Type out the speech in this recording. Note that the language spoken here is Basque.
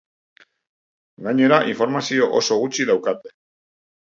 Gainera, informazio oso gutxi daukate.